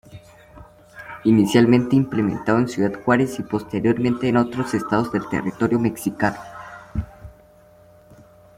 Inicialmente implementado en Ciudad Juárez y posteriormente en otros estados del territorio mexicano.